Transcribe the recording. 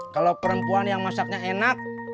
kalau perempuan yang masaknya enak